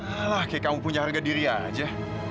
alah kayak kamu punya harga diri aja